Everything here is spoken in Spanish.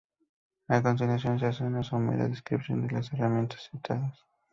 A continuación se hace una somera descripción de las herramientas citadas.